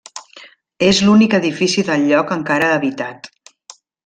És l'únic edifici del lloc encara habitat.